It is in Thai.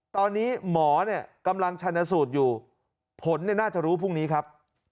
ตอนนี้หมอเนี่ยกำลังชันสูตรอยู่ผลน่าจะรู้พรุ่งนี้ครับ